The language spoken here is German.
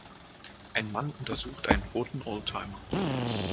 Ein Mann untersucht einen roten Oldtimer.